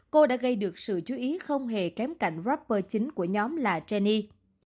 cô đã gây được sự chú ý không hề kém cạnh rapper chính của nhóm là geny